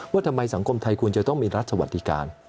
ว่าทำไมสังคมไทยควรจะต้องมีรัฐสวัสดิการ